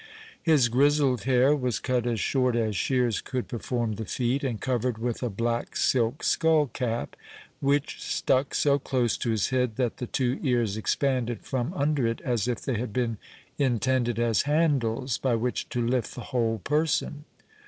His grizzled hair was cut as short as shears could perform the feat, and covered with a black silk scull cap, which stuck so close to his head, that the two ears expanded from under it as if they had been intended as handles by which to lift the whole person.